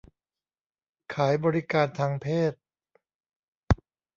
ขายบริการทางเพศ